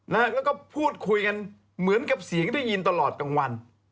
แล้วก็พูดคุยกันเหมือนกับเสียงได้ยินตลอดกลางวัน